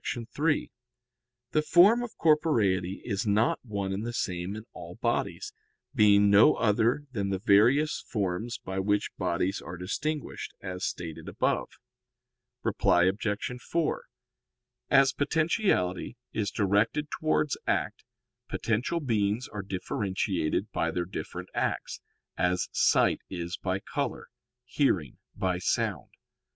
3: The form of corporeity is not one and the same in all bodies, being no other than the various forms by which bodies are distinguished, as stated above. Reply Obj. 4: As potentiality is directed towards act, potential beings are differentiated by their different acts, as sight is by color, hearing by sound.